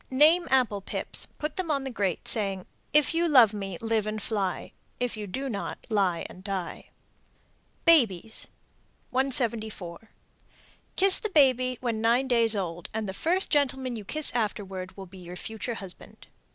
Name apple pips, put them on the grate, saying, If you love me, live and fly; If you do not, lie and die. BABIES. 174. Kiss the baby when nine days old, and the first gentleman you kiss afterward will be your future husband.